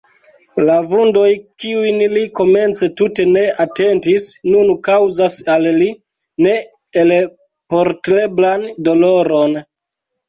La vundoj, kiujn li komence tute ne atentis, nun kaŭzas al li neelporteblan doloron.